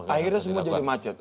akhirnya semua jadi macet